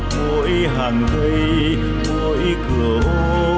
mỗi hàng cây mỗi cửa hồ